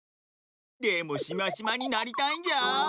でもしましまになりたいんじゃ。